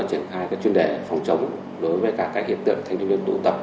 truyền khai chuyên đề phòng chống đối với các hiện tượng thanh thiếu niên tụ tập